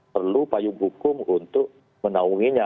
perlu payung hukum untuk menaunginya